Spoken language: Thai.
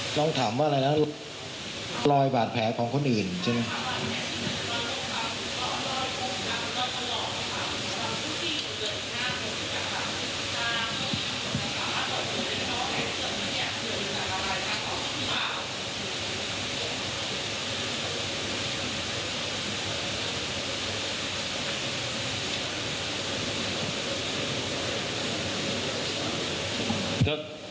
เราถามว่าอะไรนะลูกรอยบาดแผลของคนอื่นใช่ไหม